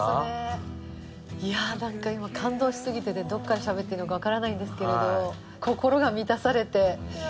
いやあなんか今感動しすぎててどこからしゃべっていいのかわからないんですけれど。